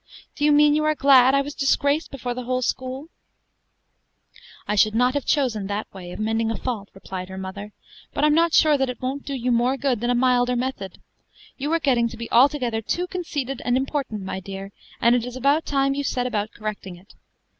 "Do you mean you are glad I was disgraced before the whole school?" cried Amy. "I should not have chosen that way of mending a fault," replied her mother; "but I'm not sure that it won't do you more good than a milder method. You are getting to be altogether too conceited and important, my dear, and it is about time you set about correcting it.